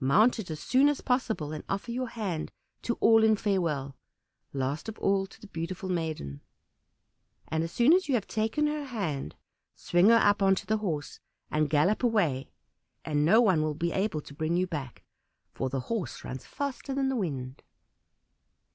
Mount it as soon as possible, and offer your hand to all in farewell; last of all to the beautiful maiden. And as soon as you have taken her hand swing her up on to the horse, and gallop away, and no one will be able to bring you back, for the horse runs faster than the wind."